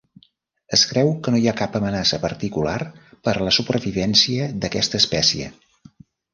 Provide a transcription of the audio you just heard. Es creu que no hi ha cap amenaça particular per a la supervivència d'aquesta espècie.